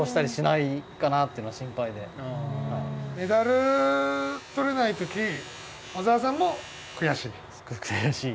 メダル獲れない時小澤さんも悔しい？